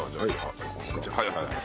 はいはいはい。